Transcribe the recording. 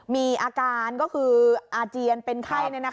มีอาการก็คืออาเจียนเป็นไข้